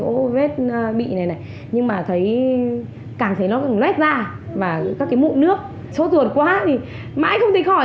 có vết bị này này nhưng mà thấy càng thấy nó cứ luet ra và các cái mụn nước sốt ruột quá thì mãi không thấy khỏi